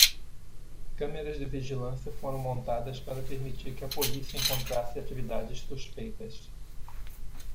Câmeras de vigilância foram montadas para permitir que a polícia encontrasse atividades suspeitas.